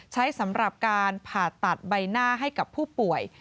สำหรับการผ่าตัดใบหน้าให้กับผู้ป่วย